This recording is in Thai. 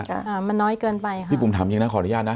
อ่ามันน้อยเกินไปค่ะพี่บุ๋มถามจริงนะขออนุญาตนะ